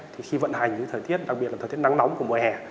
thì khi vận hành những thời tiết đặc biệt là thời tiết nắng nóng của mùa hè